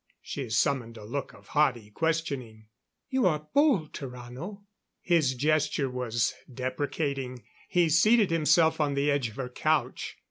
She summoned a look of haughty questioning. "You are bold, Tarrano " His gesture was deprecating; he seated himself on the edge of her couch.